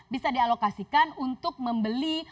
bisa dialokasikan untuk membeli